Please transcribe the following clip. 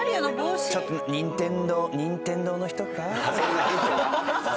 ちょっと任天堂の人か？